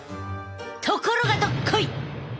ところがどっこい！